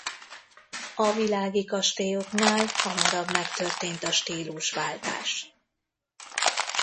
A világi kastélyoknál hamarabb megtörtént a stílusváltás.